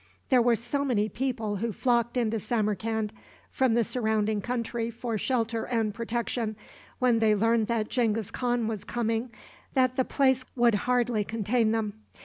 There were so many people who flocked into Samarcand from the surrounding country for shelter and protection, when they learned that Genghis Khan was coming, that the place would hardly contain them.